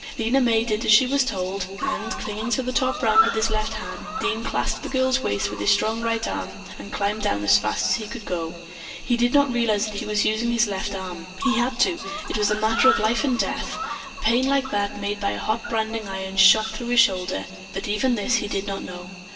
Lena May did as she was told, and, clinging to the top round with his left hand, Dean clasped the girl's waist with his strong right arm and climbed down as fast as he could go. He did not realize that he was using his left arm. He had to, it was a matter of life and death. A pain like that made by a hot branding iron shot through his shoulder, but even this he did not know.